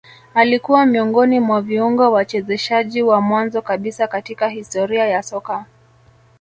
Alikua miongoni mwa viungo wachezeshaji wa mwanzo kabisa katika historia ya soka